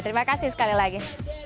terima kasih sekali lagi